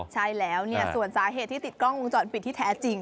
ใช่แล้วส่วนสาเหตุที่ติดกล้องวงจรปิดที่แท้จริง